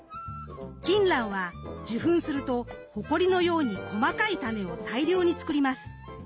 キンランは受粉するとほこりのように細かいタネを大量に作ります。